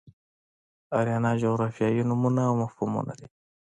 آریانا جغرافیایي نومونه او مفهومونه دي.